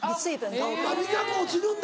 あっ味覚落ちるんだ。